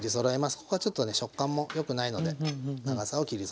ここはちょっとね食感もよくないので長さを切りそろえていきます。